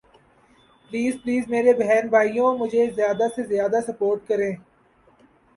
please please میرے بہن بھائیوں مجھے زیادہ سے زیادہ سپورٹ کریں